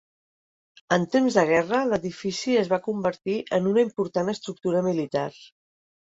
En temps de guerra, l'edifici es va convertir en una important estructura militar.